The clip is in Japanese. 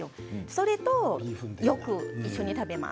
それと、よく一緒に食べます。